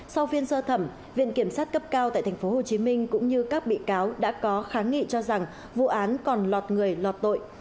sau phiên sơ thẩm viện kiểm sát cấp cao tại tp hcm cũng như các bị cáo đã có kháng nghị cho rằng vụ án còn lọt người lọt tội